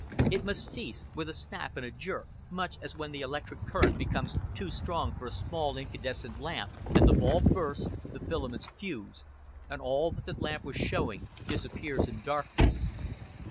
It must cease with a snap and a jerk, much as when the electric current becomes too strong for a small incandescent lamp and the bulb bursts, the filaments fuse, and all that the lamp was showing disappears in darkness.